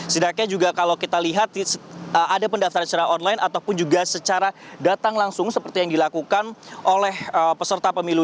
setidaknya juga kalau kita lihat ada pendaftaran secara online ataupun juga secara datang langsung seperti yang dilakukan oleh peserta pemilu